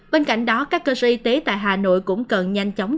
bên cạnh đó các cơ sở y tế tại hà nội cũng cần nhanh chóng